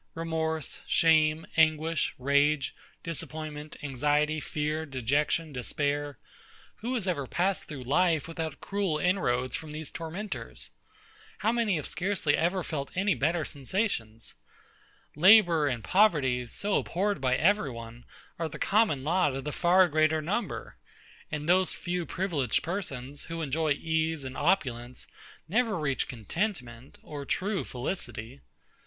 Remorse, shame, anguish, rage, disappointment, anxiety, fear, dejection, despair; who has ever passed through life without cruel inroads from these tormentors? How many have scarcely ever felt any better sensations? Labour and poverty, so abhorred by every one, are the certain lot of the far greater number; and those few privileged persons, who enjoy ease and opulence, never reach contentment or true felicity.